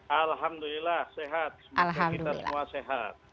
alhamdulillah sehat semoga kita semua sehat